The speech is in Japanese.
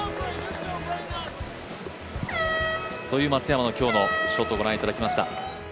松山の今日のショットご覧いただきました。